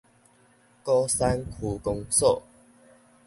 鼓山區公所